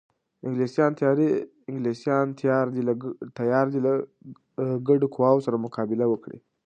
انګلیسیان تیار دي له ګډو قواوو سره مقابله وکړي.